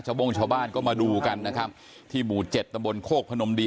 โบ้งชาวบ้านก็มาดูกันนะครับที่หมู่เจ็ดตำบลโคกพนมดี